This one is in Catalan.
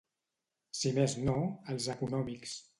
Si més no, els econòmics.